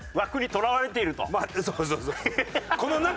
とらわれている。